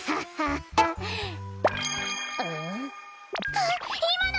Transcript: あっいまの！